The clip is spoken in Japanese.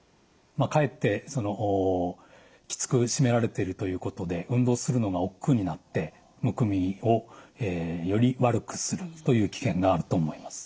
かえってきつく締められてるということで運動するのがおっくうになってむくみをより悪くするという危険があると思います。